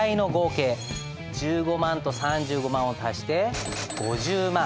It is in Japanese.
１５万と３５万を足して５０万。